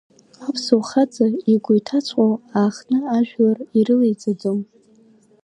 Аԥсуа хаҵа игәы иҭаҵәҟоу аахтны ажәлар ирылиҵаӡом.